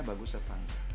bagus ya terang